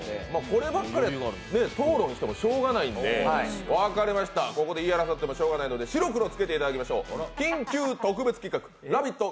こればっかりは討論してもしょうがないのでここで言い争ってもしょうがないので白黒つけていただきましょう緊急特別企画、「ラヴィット！